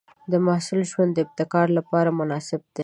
د محصل ژوند د ابتکار لپاره مناسب دی.